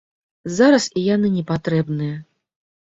Зараз і яны не патрэбныя.